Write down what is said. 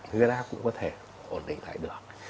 huyết áp cũng có thể ổn định lại được